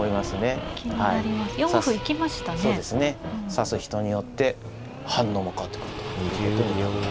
指す人によって反応も変わってくるということになります。